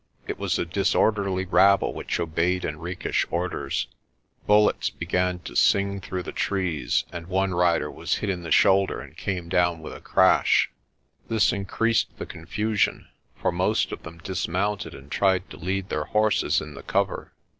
It was a disorderly rabble which obeyed Henriques' orders. Bullets began to sing through the trees and one rider was hit in the shoulder and came down with a crash. This increased the confusion, for most of them dismounted and tried to lead their horses in the cover.